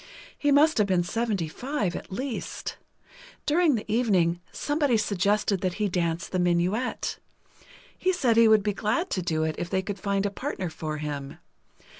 He must have been seventy five, at least. During the evening, somebody suggested that he dance the minuet. He said he would be glad to do it, if they could find a partner for him.